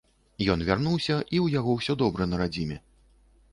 Ён вярнуўся, і ў яго ўсё добра на радзіме.